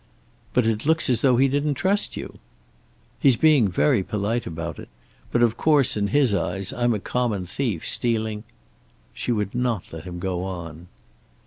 "But it looks as though he didn't trust you!" "He's being very polite about it; but, of course, in his eyes I'm a common thief, stealing " She would not let him go on.